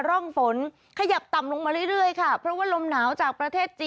ร่องฝนขยับต่ำลงมาเรื่อยค่ะเพราะว่าลมหนาวจากประเทศจีน